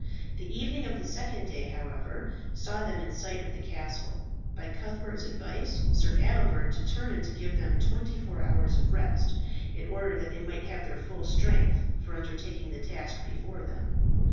The evening of the second day, however, saw them in sight of the castle. By Cuthbert's advice, Sir Adelbert determined to give them twenty four hours of rest, in order that they might have their full strength for undertaking the task before them.